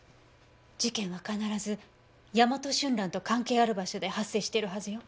事件は必ずヤマトシュンランと関係ある場所で発生しているはずよ。